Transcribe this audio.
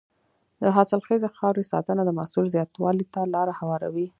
د حاصلخیزې خاورې ساتنه د محصول زیاتوالي ته لاره هواروي.